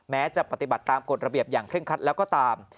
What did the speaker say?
แม้จะปฏิบัติตามกฎระเบียบอย่างเคร่งคัดแล้วก็ตาม